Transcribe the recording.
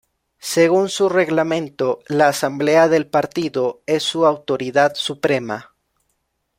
Según su reglamento, la Asamblea del Partido es su autoridad suprema.